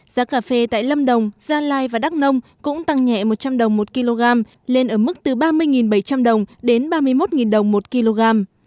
giá cà phê tại lâm đồng gia lai và đắk nông cũng tăng nhẹ một trăm linh đồng một kg lên ở mức từ ba mươi bảy trăm linh đồng đến ba mươi một đồng một kg